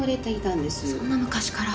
そんな昔から？